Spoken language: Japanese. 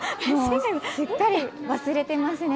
すっかり忘れてますね。